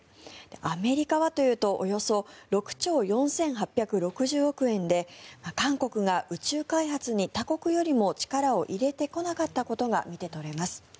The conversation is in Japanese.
アメリカはというとおよそ６兆４８６０億円で韓国が宇宙開発に他国よりも力を入れてこなかったことが見て取れます。